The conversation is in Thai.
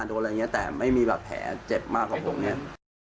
โดนอะไรแบบนี้แต่ไม่มีแผลเจ็บมากของผมนี่